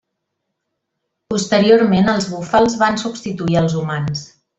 Posteriorment els búfals van substituir als humans.